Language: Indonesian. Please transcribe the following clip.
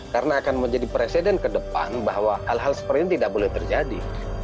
karena akan menjadi presiden ke depan bahwa hal hal seperti ini tidak boleh terjadi